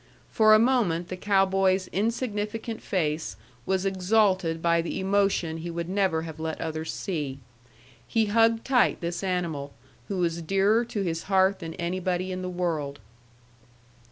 For a moment the cow boy's insignificant face was exalted by the emotion he would never have let others see. He hugged tight this animal, who was dearer to his heart than anybody in the world.